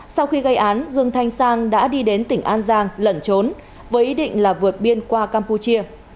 sau khi gây án dương thanh sang đã đi đến tỉnh an giang lẩn trốn với ý định là vượt biên qua campuchia